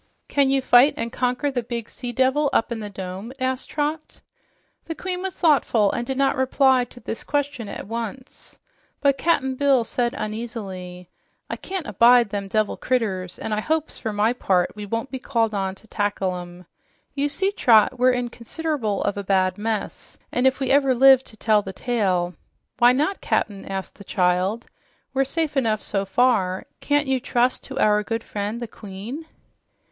"Can you fight and conquer the big sea devil up in the dome?" asked Trot. The queen was thoughtful, and did not reply to this question at once. But Cap'n Bill said uneasily, "I can't abide them devil critters, an' I hopes, for my part, we won't be called on to tackle 'em. You see, Trot, we're in consider'ble of a bad mess, an' if we ever live to tell the tale " "Why not, Cap'n?" asked the child. "We're safe enough so far. Can't you trust our good friend, the queen?"